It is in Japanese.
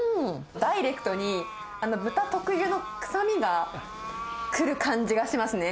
ダイレクトに、豚特有の臭みが来る感じがしますね。